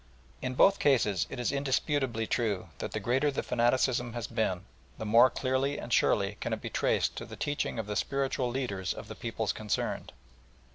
In both cases it is indisputably true that the greater the fanaticism has been, the more clearly and surely can it be traced to the teaching of the spiritual leaders of the peoples concerned.